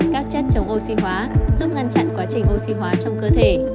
các chất chống oxy hóa giúp ngăn chặn quá trình oxy hóa trong cơ thể